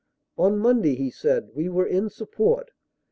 "On Monday," he said, "we were in support.